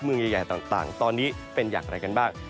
เมืองใหญ่ต่างตอนนี้เป็นอย่างไรกันบ้าง